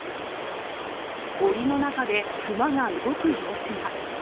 おりの中で、クマが動く様子が。